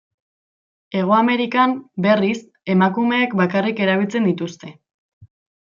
Hego Amerikan, berriz, emakumeek bakarrik erabiltzen dituzte.